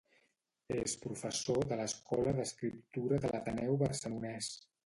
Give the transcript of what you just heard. És professor de l’Escola d’Escriptura de l’Ateneu Barcelonès.